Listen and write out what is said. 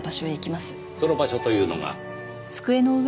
その場所というのが。